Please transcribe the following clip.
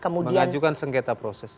mengajukan sengketa proses